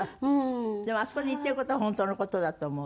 でもあそこで言ってる事は本当の事だと思う。